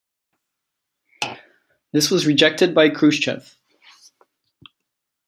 This was rejected by Khrushchev.